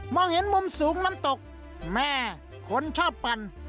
เห็นมุมสูงน้ำตกแม่คนชอบปั่น